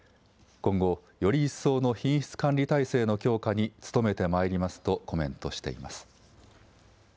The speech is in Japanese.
今後、より一層の品質管理体制の強化に努めてまいりますとコメントしています。